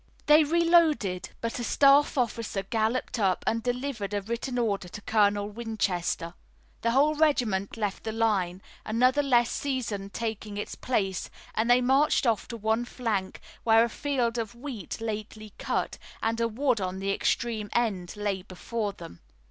They reloaded, but a staff officer galloped up and delivered a written order to Colonel Winchester. The whole regiment left the line, another less seasoned taking its place, and they marched off to one flank, where a field of wheat lately cut, and a wood on the extreme end, lay before them.